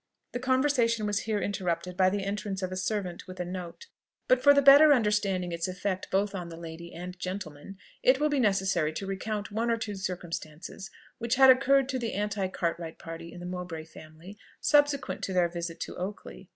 The conversation was here interrupted by the entrance of a servant with a note. But for the better understanding its effect both on the lady and gentleman, it will be necessary to recount one or two circumstances which had occurred to the anti Cartwright party in the Mowbray family, subsequent to their visit to Oakley.